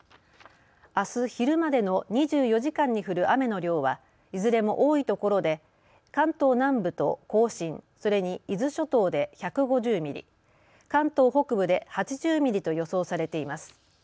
あす昼までの２４時間に降る雨の量はいずれも多いところで関東南部と甲信、それに伊豆諸島で１５０ミリ、関東北部で８０ミリと予想されています。